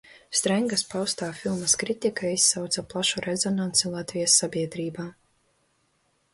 Strengas paustā filmas kritika izsauca plašu rezonansi Latvijas sabiedrībā.